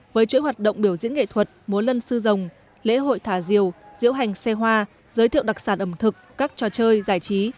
với chuỗi hoạt động biểu diễn nghệ thuật múa lân sư rồng lễ hội thả diều diễu hành xe hoa giới thiệu đặc sản ẩm thực các trò chơi giải trí